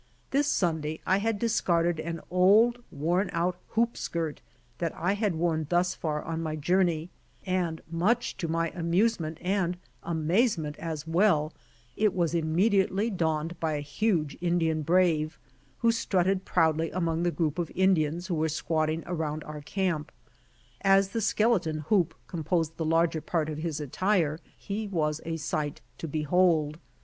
This Sunday I had discarded an old, worn out hoop skirt that I had worn thus far on my journey, and much to my amusement and amazement as well, it was immediately donned by a 28 BY ox TEAM TO CALIFORNIA huge Indian brave, who strutted proudly among the group of Indians who were squatting around our camp. As the skek^ton hoop composed the larger part of his attire he was a sight to behold.